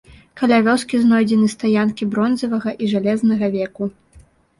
Каля вёскі знойдзены стаянкі бронзавага і жалезнага веку.